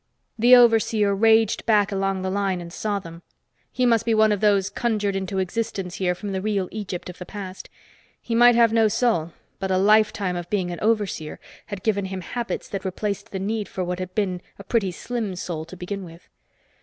The overseer raged back along the line and saw them. He must be one of those conjured into existence here from the real Egypt of the past. He might have no soul, but a lifetime of being an overseer had given him habits that replaced the need for what had been a pretty slim soul to begin with.